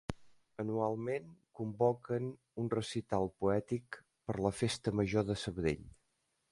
Anualment convoquen un recital poètic per la Festa Major de Sabadell.